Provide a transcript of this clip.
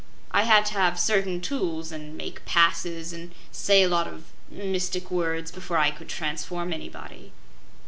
I had to have certain tools and make passes and say a lot of mystic words before I could transform anybody."